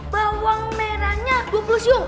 bawang merahnya dua puluh siung